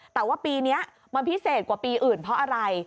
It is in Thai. แต่ว่าปีนี้มันพิเศษกว่าปีอื่นเพราะอะไร